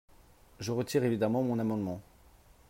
Je retire évidemment mon amendement.